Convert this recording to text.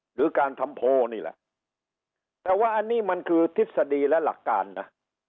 หรือการทำโพลนี่แหละแต่ว่าอันนี้มันคือทฤษฎีและหลักการนะ